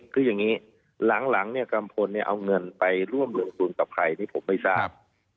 คืออย่างนี้หลังกำพลเอาเงินไปร่วมร่วมสูงกับใครนี่ผมไม่ทราบ